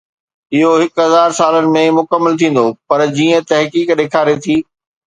اهو هڪ هزار سالن ۾ مڪمل ٿيندو، پر جيئن تحقيق ڏيکاري ٿي